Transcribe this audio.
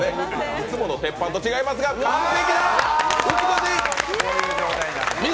いつもの鉄板と違いますが、完成。